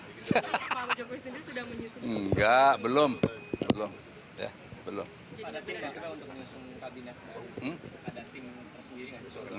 maksudnya presiden sudah menyusun